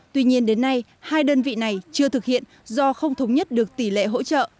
tuy nhiên đến nay hai đơn vị này chưa thực hiện do không thống nhất được tỷ lệ hỗ trợ